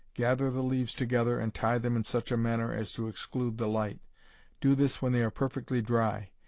Gather the leaves together and tie them in such a manner as to exclude the light. Do this when they are perfectly dry.